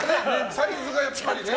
サイズがやっぱりね。